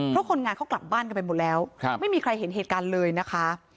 เพราะคนงานเขากลับบ้านกันไปหมดแล้วไม่มีใครเห็นเหตุการณ์เลยนะคะ